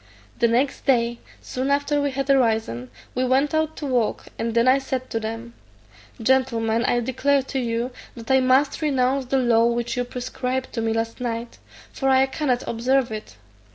The next day, soon after we had arisen, we went out to walk, and then I said to them, "Gentlemen, I declare to you, that I must renounce the law which you prescribed to me last night, for I cannot observe it.